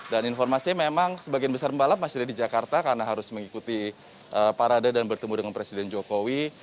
dan informasinya memang sebagian besar pembalap masih ada di jakarta karena harus mengikuti parade dan bertemu dengan presiden jokowi